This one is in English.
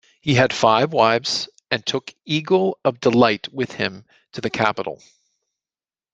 He had five wives, and took Eagle of Delight with him to the capital.